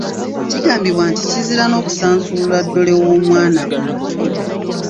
Kigambibwa nti kizira n'okusansulula ddole w'omwana omuto.